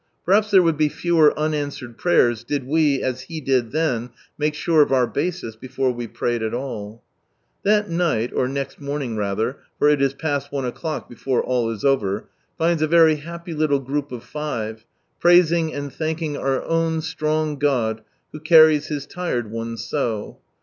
Perhaps there would be fewer '■ unanswered prayers " did we, as he did then, make sure of our basis, before we prayed at all I That njght, or next morning rather, for it is past t o'clock before all is over, finds a very happy little group of five, praising and thanking our own strong God who carries His lired ones so.